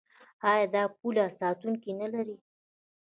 آیا دا پوله ساتونکي نلري؟